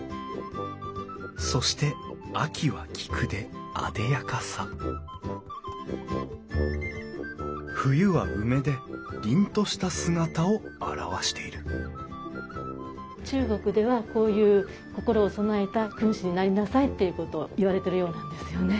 そして秋は菊であでやかさ冬は梅で凛とした姿を表している中国ではこういう心を備えた君子になりなさいっていうことを言われてるようなんですよね。